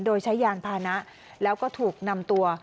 โดยใช้ยานพานะแล้วก็ถูกนำตัว